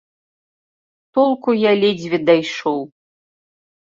Толку я ледзьве дайшоў.